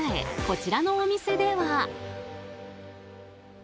こちらのお店では。